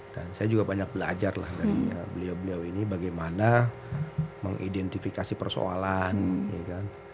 dan saya juga banyak belajar lah dari beliau beliau ini bagaimana mengidentifikasi persoalan ya kan